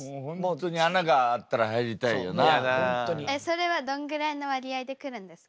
それはどんぐらいの割合で来るんですか？